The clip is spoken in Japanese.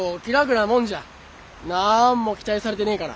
なんも期待されてねえから。